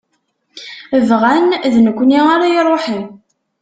Bɣan d nekni ara iruḥen.